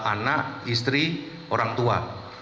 anak istri orang tua